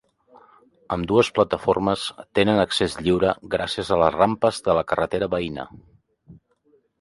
Ambdues plataformes tenen accés lliure gràcies a les rampes de la carretera veïna.